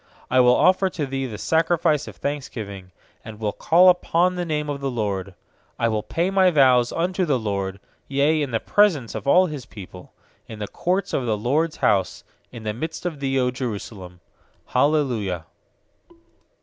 17I will offer to Thee the sacrifice of thanksgiving, And will call upon the name of the LORD. 18I will pay my vows unto the LORD, Yea, in the presence of all His people; 19In the courts of the LORD'S house, In the midst of thee, 0 Jerusalem. Hallelujah.